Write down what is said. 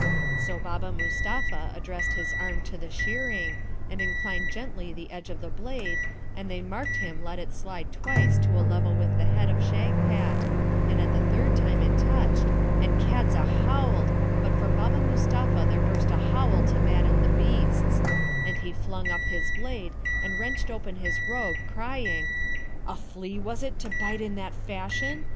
So Baba Mustapha addressed his arm to the shearing, and inclined gently the edge of the blade, and they marked him let it slide twice to a level with the head of Shagpat, and at the third time it touched, and Kadza howled, but from Baba Mustapha there burst a howl to madden the beasts; and he flung up his blade, and wrenched open his robe, crying, 'A flea was it to bite in that fashion?